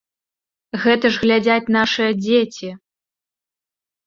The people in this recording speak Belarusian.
Гэта ж глядзяць нашыя дзеці.